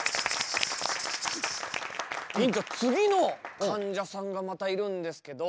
院長次のかんじゃさんがまたいるんですけど。